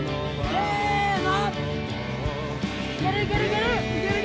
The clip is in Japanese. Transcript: せの！